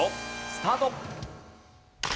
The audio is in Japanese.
スタート。